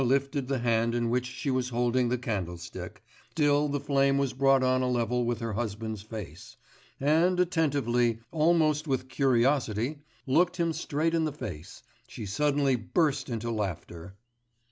Irina lifted the hand in which she was holding the candlestick, till the flame was brought on a level with her husband's face, and attentively, almost with curiosity, looking him straight in the face, she suddenly burst into laughter.